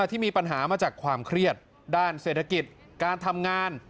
ที่มีปัญหามาจากความเครียดด้านเศรษฐกิจการทำงาน